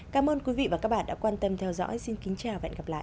cảm ơn quý vị và các bạn đã quan tâm theo dõi xin kính chào và hẹn gặp lại